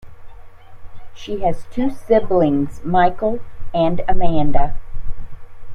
She has two siblings, Michael and Amanda.